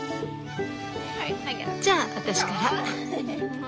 じゃ私から。